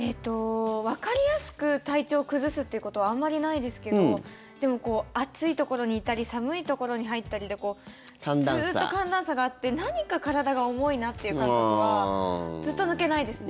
わかりやすく体調を崩すっていうことはあんまりないですけどでも、暑いところにいたり寒いところに入ったりでずっと寒暖差があって何か体が重いなっていう感覚がずっと抜けないですね。